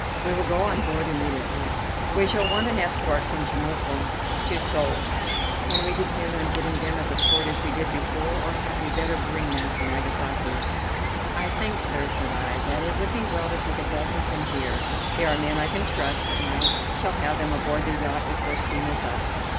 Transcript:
We will go on board immediately. We shall want an escort from Chemulpo to Seoul; can we depend on getting them at the port as we did before, or had we better bring them from Nagasaki?" "I think, sir," said I, "that it would be well to take a dozen from here. They are men I can trust, and I shall have them aboard the yacht before steam is up."